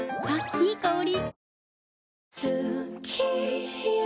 いい香り。